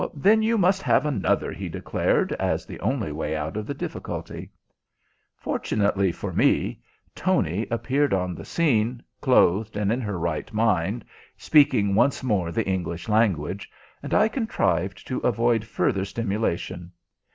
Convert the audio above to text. "Then we must have another," he declared, as the only way out of the difficulty. Fortunately for me, Tony appeared on the scene, clothed and in her right mind, speaking once more the English language, and I contrived to avoid further stimulation.